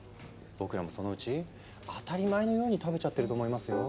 僕らもそのうち当たり前のように食べちゃってると思いますよ。